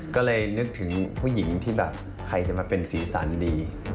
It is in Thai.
ก็เลยนึกถึงผู้หญิงที่แบบใครจะมาเป็นสีสันดี